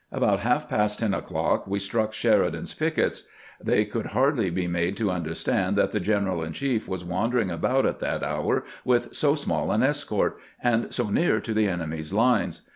About half past ten o'clock we struck Sheridan's pickets. They could hardly be made to understand tbat the general in chief was wandering about at that hour with so small an escort, and so near to the enemy's lines.